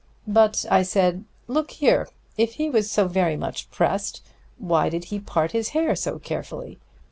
But I said, 'Look here: if he was so very much pressed, why did he part his hair so carefully?